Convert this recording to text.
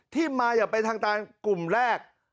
ที่มาอย่าไปทางด้านกลุ่มแรก